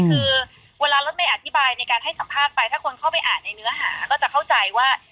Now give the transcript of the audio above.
คือเวลารถเมย์อธิบายในการให้สัมภาษณ์ไปถ้าคนเข้าไปอ่านในเนื้อหาก็จะเข้าใจว่า